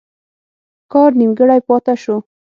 کار نیمګړی پاته شو.